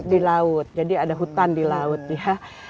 di laut jadi ada hutan di laut ya